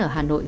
ở hà nội